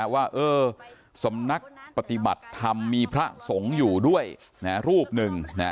ว่าสำนักปฏิบัติธรรมมีพระสงฆ์อยู่ด้วยรูปหนึ่ง